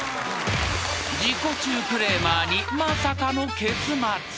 ［自己中クレーマーにまさかの結末］